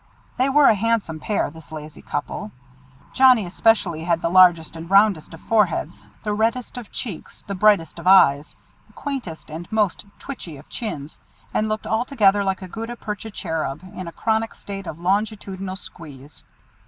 They were a handsome pair, this lazy couple. Johnnie especially had the largest and roundest of foreheads, the reddest of cheeks, the brightest of eyes, the quaintest and most twitchy of chins, and looked altogether like a gutta percha cherub in a chronic state of longitudinal squeeze.